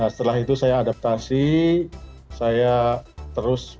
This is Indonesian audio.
setelah itu saya adaptasi saya terus